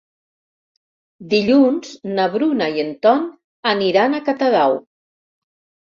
Dilluns na Bruna i en Ton aniran a Catadau.